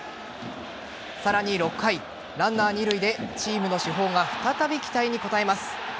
さらに６回ランナー二塁で、チームの主砲が再び期待に応えます。